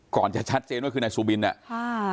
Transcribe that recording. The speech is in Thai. ก่อนจะชัดเจนว่าคือนายซูบินอ่ะค่ะ